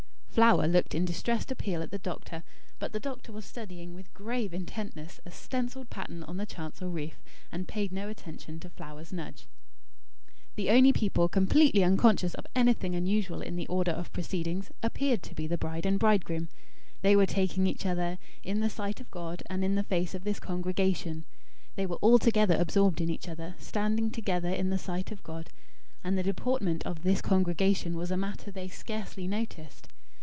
Flower looked in distressed appeal at the doctor. But the doctor was studying, with grave intentness, a stencilled pattern on the chancel roof; and paid no attention to Flower's nudge. The only people completely unconscious of anything unusual in the order of proceedings appeared to be the bride and bridegroom. They were taking each other "in the sight of God, and in the face of this congregation." They were altogether absorbed in each other, standing together in the sight of God; and the deportment of "this congregation" was a matter they scarcely noticed.